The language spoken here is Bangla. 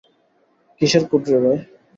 কিসের কোড রে ভাই?